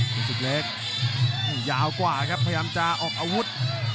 คุณศึกเล็กยาวกว่าครับพยายามจะออกอาวุธ